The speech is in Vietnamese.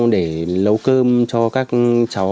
để lấu cơm cho các cháu